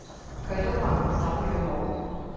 佢都話我手語好